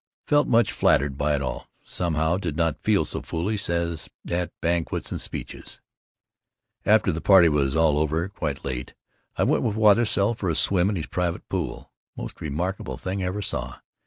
Felt much flattered by it all, somehow did not feel so foolish as at banquets with speeches. After the party was all over, quite late, I went with Watersell for a swim in his private pool. Most remarkable thing I ever saw.